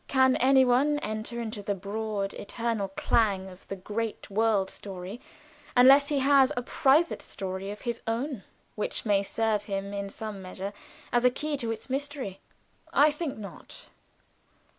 Can any one enter into the broad, eternal clang of the great "world story" unless he has a private story of his own which may serve him in some measure as a key to its mystery? I think not.